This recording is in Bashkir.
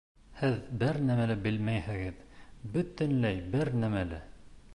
Һеҙ бер нәмә лә белмәйһегеҙ, бөтөнләй бер нәмә лә